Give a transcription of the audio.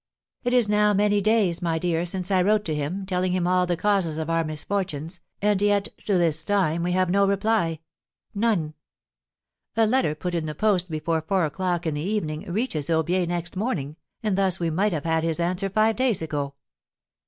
"It is now many days, my dear, since I wrote to him, telling him all the causes of our misfortunes, and yet to this time we have no reply, none. A letter put in the post before four o'clock in the evening reaches Aubiers next morning, and thus we might have had his answer five days ago."